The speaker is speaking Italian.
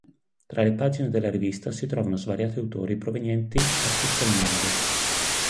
Tra le pagine della rivista si trovano svariati autori provenienti a tutto il mondo.